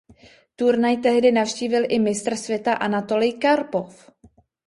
Turnaj tehdy navštívil i mistr světa Anatolij Karpov.